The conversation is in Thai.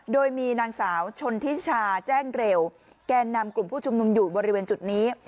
โดยมีนางสาวชนทิชาแจ้งเร็วแกนนำกลุ่มผู้ชุมนุมอยู่บริเวณจุดนี้